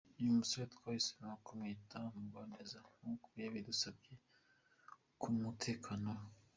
Uyu musore twahisemo kumwita Mugwaneza nk’uko yabidusabye ku bw’umutekano we.